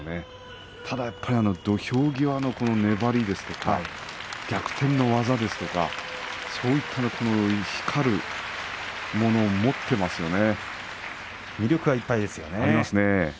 ただ土俵際の粘りですとか逆転の技ですとかそういった光るものを持っていますよね。ありますよね。